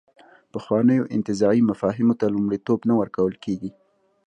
پخوانیو انتزاعي مفاهیمو ته لومړیتوب نه ورکول کېږي.